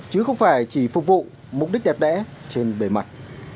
chứ không phải chỉ phục vụ mục đích đẹp đẽ trên bề mặt